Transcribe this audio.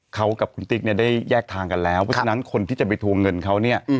เขากับคุณติ๊กเนี่ยได้แยกทางกันแล้วเพราะฉะนั้นคนที่จะไปทวงเงินเขาเนี่ย